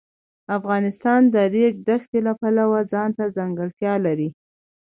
افغانستان د د ریګ دښتې د پلوه ځانته ځانګړتیا لري.